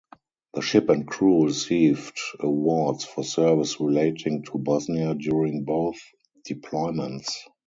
The ship and crew received awards for service relating to Bosnia during both deployments.